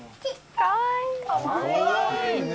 かわいいね。